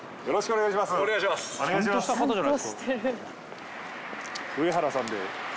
よろしくお願いします。